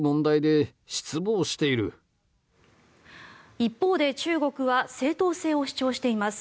一方で中国は正当性を主張しています。